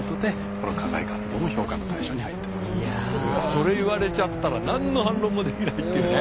それ言われちゃったら何の反論もできないっていうね。